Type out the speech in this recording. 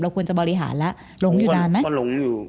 เราควรจะบริหารแล้ว